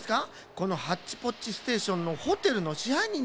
このハッチポッチステーションのホテルのしはいにんじゃない。